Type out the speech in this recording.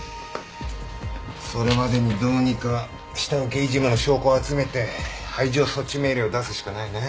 それまでにどうにか下請けいじめの証拠を集めて排除措置命令を出すしかないね。